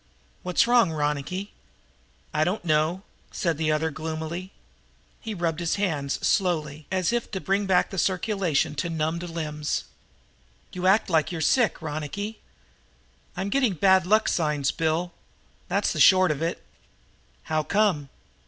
"What's wrong, Ronicky?" "I don't know," said the other gloomily. He rubbed his arms slowly, as if to bring back the circulation to numbed limbs. "You act like you're sick, Ronicky." "I'm getting bad luck signs, Bill. That's the short of it." "How come?"